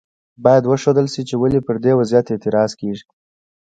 باید وښودل شي چې ولې پر دې وضعیت اعتراض کیږي.